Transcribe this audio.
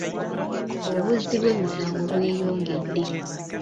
Obuzzi bw'emisango bweyongedde.